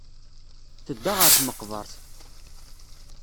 Tedda ɣer tmeqbert.